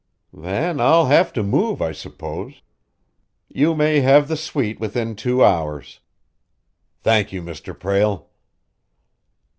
"Then I'll have to move, I suppose. You may have the suite within two hours." "Thank you, Mr. Prale."